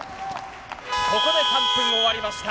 ここで３分終わりました。